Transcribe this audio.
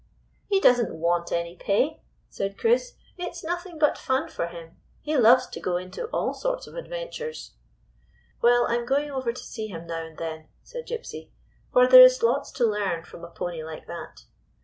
"He does n't want any pay," said Chris. "It is nothing but fun for him. He loves to go into all sorts of adventures." " Well, I 'm going over to see him now and then," said Gypsy, "for there is lots to learn from a pony like that.